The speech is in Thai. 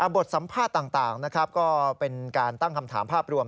บทสัมภาษณ์ต่างนะครับก็เป็นการตั้งคำถามภาพรวม